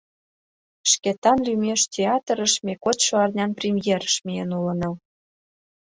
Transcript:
Шкетан лӱмеш театрыш ме кодшо арнян премьерыш миен улына.